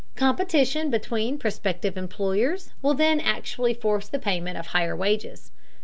Competition between prospective employers will then actually force the payment of higher wages.